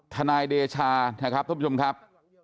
ทนายเดชาท่านผู้ชมครับ